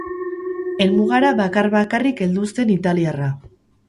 Helmugara bakar-bakarrik heldu zen italiarra.